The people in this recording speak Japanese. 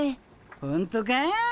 ほんとか？